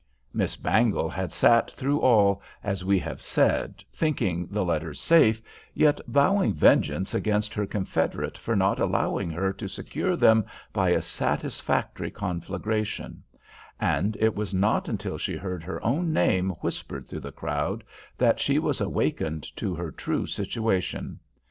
Miss Bangle had sat through all, as we have said, thinking the letters safe, yet vowing vengeance against her confederate for not allowing her to secure them by a satisfactory conflagration; and it was not until she heard her own name whispered through the crowd, that she was awakened to her true situation.